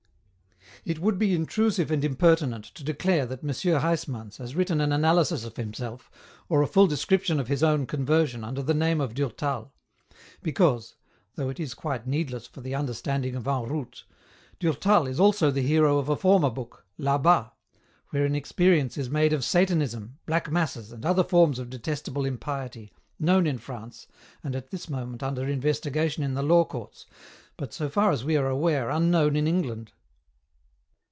It would be intrusive and impertinent to declare that M. Huysmans has written an analysis of himself or a full description of his own conversion under the name of Durtal, because — though it is quite needless for the under standing of " En Route "— Durtal is also the hero of a former book, " La Bas," wherein experience is made of Satanism, *' Black Masses " and other forms of detestable impiety, known in France, and at this moment under investigation in the law courts, but, so far as we are aware, unknown in England.